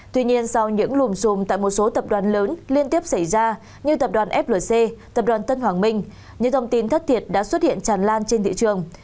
tuy nhiên sau những lùm xùm tại một số tập đoàn lớn liên tiếp xảy ra như tập đoàn flc tập đoàn tân hoàng minh những thông tin thất thiệt đã xuất hiện tràn lan trên thị trường